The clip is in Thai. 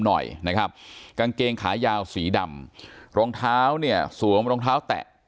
หน่อยนะครับกางเกงขายาวสีดำรองเท้าเนี่ยสวมรองเท้าแตะ